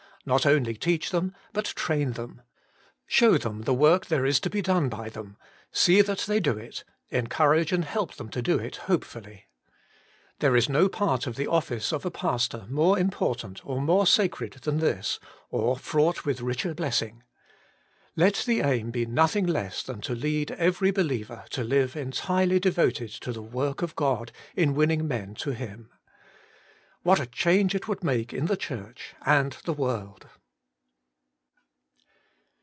Not only teach them, but train them. Show them the work there is to be done by them ; see that they do it ; encourage and help them to do it hopefully. There is no part of the office of a pastor more impor tant or more sacred than this, or fraught with richer blessing. Let the aim be nothing less than to lead every believer to live entirely devoted to the work of God in winning men to Him. What a change it would make in the Church and the world